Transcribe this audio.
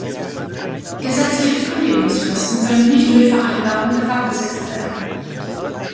Gesetzliche Kündigungsfristen können nicht durch Vereinbarung herabgesetzt werden.